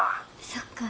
そっか。